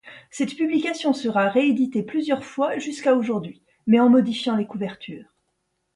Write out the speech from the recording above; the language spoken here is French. Cette publication sera rééditée plusieurs fois jusqu'à aujourd'hui mais en modifiant les couvertures.